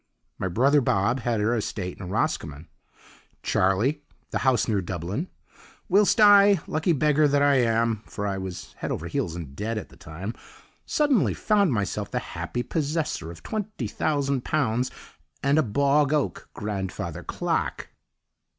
My brother Bob had her estate in Roscommon; Charley, the house near Dublin; whilst I lucky beggar that I am (for I was head over heels in debt at the time) suddenly found myself the happy possessor of £20,000 and a bog oak grandfather clock."